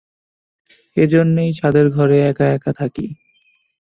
এই জন্যেই ছাদের ঘরে এক-একা থাকি।